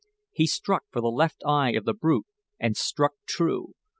He struck for the left eye of the brute and struck true.